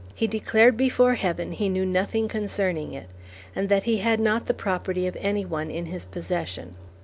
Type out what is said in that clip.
He declared before Heaven he knew nothing concerning it, and that he had not the property of any one in his possession.